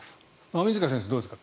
馬見塚先生、どうですか。